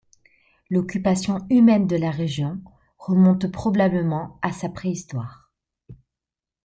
L'occupation humaine de la région remonte probablement à la préhistoire.